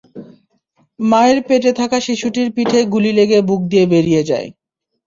মায়ের পেটে থাকা শিশুটির পিঠে গুলি লেগে বুক দিয়ে বেরিয়ে যায়।